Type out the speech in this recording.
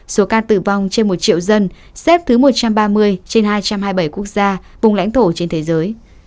số ca tử vong trên một triệu dân xếp thứ một trăm ba mươi trên hai trăm hai mươi bảy quốc gia vùng lãnh thổ trên thế giới